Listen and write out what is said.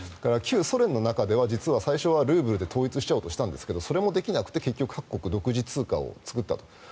旧ソ連の中では実は最初はルーブルで統一しようと思ったんですがそれができなくて各国独自通貨を作ったと。